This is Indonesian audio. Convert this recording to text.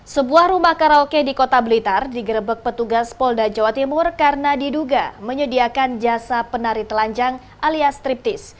sebuah rumah karaoke di kota blitar digerebek petugas polda jawa timur karena diduga menyediakan jasa penari telanjang alias triptis